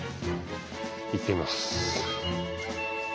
行ってみます。